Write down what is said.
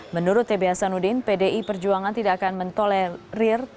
menurut tbh sanudin pdi perjuangan tidak akan mentolerir